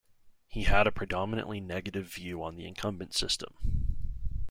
He had a predominantly negative view on the incumbent system.